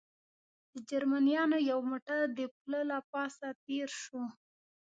د جرمنیانو یو موټر د پله له پاسه تېر شو.